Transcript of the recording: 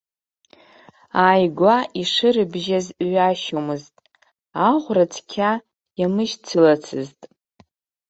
Ааигәа ишырыбжьаз ҩашьомызт, аӷәра цқьа иамышьцылацызт.